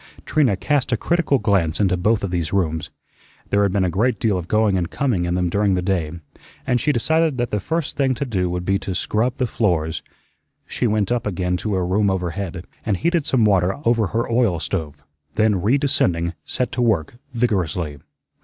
Trina cast a critical glance into both of these rooms. There had been a great deal of going and coming in them during the day, and she decided that the first thing to do would be to scrub the floors. She went up again to her room overhead and heated some water over her oil stove; then, re descending, set to work vigorously.